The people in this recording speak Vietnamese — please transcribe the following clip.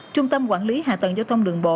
trung tâm quản lý hạ tầng giao thông đường bộ